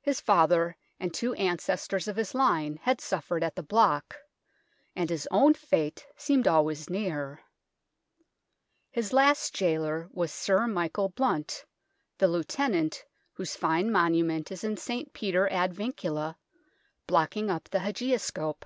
His father and two ancestors of his line had suffered at the block, and his own fate seemed always near. His last gaoler was Sir Michael Blount, the Lieutenant whose fine monument is in St. Peter ad Vincula, blocking up the hagioscope.